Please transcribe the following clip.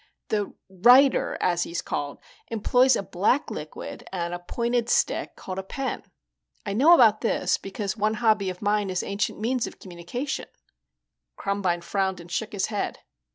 The writer, as he's called, employs a black liquid and a pointed stick called a pen. I know about this because one hobby of mine is ancient means of communication." Krumbine frowned and shook his head.